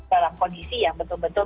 dalam kondisi yang betul betul